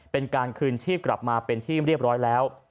เป็นการคืนชีพกลับมาเป็นที่เรียบร้อยแล้ว